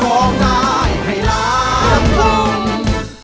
โปรดติดตามตอนต่อไป